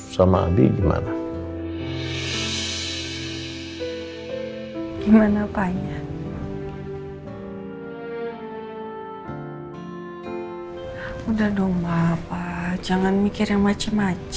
saya ingin mengucapkan terima kasih